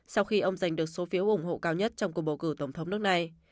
sau khi ông giành được số phiếu ủng hộ cao nhất trong cuộc bầu cử tổng thống nước này